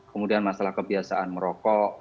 kemudian masalah kebiasaan merokok